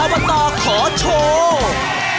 บตขอโชว์